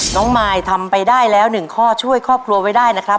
น้องมายทำไปได้แล้ว๑ข้อช่วยครอบครัวไว้ได้นะครับ